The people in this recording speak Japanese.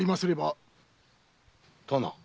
殿。